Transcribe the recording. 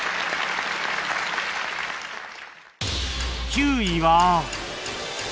９位は